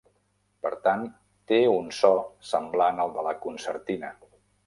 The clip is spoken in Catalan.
Per tant, té un so semblant al de la concertina.